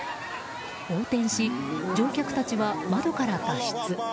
横転し、乗客たちは窓から脱出。